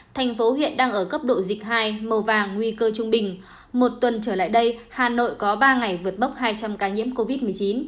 thành phố hiện đang ở cấp độ dịch hai màu vàng nguy cơ trung bình một tuần trở lại đây hà nội có ba ngày vượt bốc hai trăm linh ca nhiễm covid một mươi chín